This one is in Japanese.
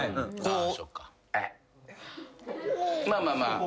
まあまあまあ。